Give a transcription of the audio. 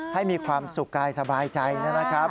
ให้มีความสุขกายสบายใจนะครับ